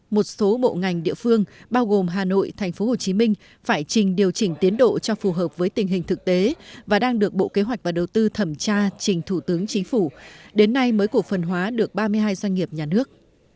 một số bộ ngành địa phương bao gồm hà nội tp hcm phải trình điều chỉnh tiến độ cho phù hợp với tình hình thực tế và đang được bộ kế hoạch và đầu tư thẩm tra trình thủ tướng chính phủ đến nay mới cổ phần hóa được ba mươi hai doanh nghiệp nhà nước